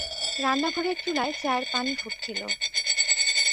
রান্নাঘরের চুলায় চায়ের পানি ফুটছিল।